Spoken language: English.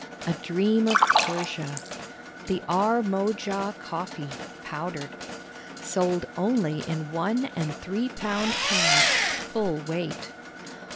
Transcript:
"A DREAM OF PERSIA." THE AR MO JA COFFEE, (POWDERED.) Sold only in one and three pound cans. Full weight.